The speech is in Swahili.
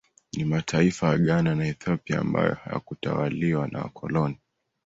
Ni mataifa ya Ghana na Ethiopia ambayo hayakutawaliwa na wakoloni